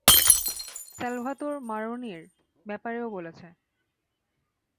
Salvatore ম্যারোনির ব্যাপারেও বলেছে।